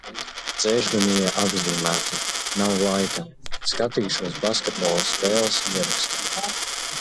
Dzēšgumija apzīmēta, nav laika, skatīšos basketbola spēles ierakstu.